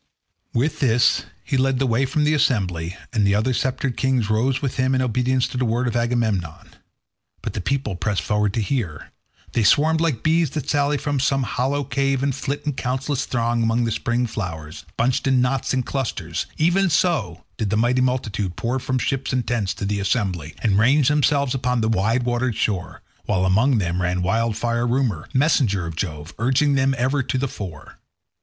With this he led the way from the assembly, and the other sceptred kings rose with him in obedience to the word of Agamemnon; but the people pressed forward to hear. They swarmed like bees that sally from some hollow cave and flit in countless throng among the spring flowers, bunched in knots and clusters; even so did the mighty multitude pour from ships and tents to the assembly, and range themselves upon the wide watered shore, while among them ran Wildfire Rumour, messenger of Jove, urging them ever to the fore.